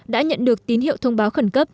đã nhận được tín hiệu thông báo khẩn cấp